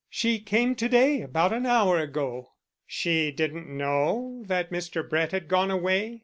She came to day about an hour ago." "She didn't know that Mr. Brett had gone away?"